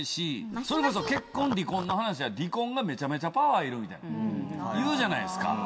それこそ結婚離婚の話は離婚がめちゃめちゃパワーいるみたいないうじゃないですか。